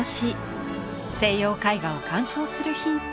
西洋絵画を鑑賞するヒント